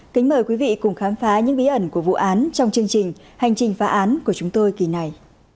kính mời quý vị cùng khám phá những bí ẩn của vụ án trong chương trình hành trình phá án của chúng tôi kỳ này